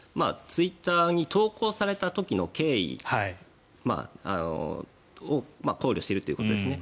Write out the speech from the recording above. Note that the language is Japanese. ツイッターに投稿された時の経緯を考慮しているということですね。